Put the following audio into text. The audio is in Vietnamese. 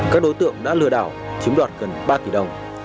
các đối tượng đã lừa đảo chiếm đoạt gần ba tỷ đồng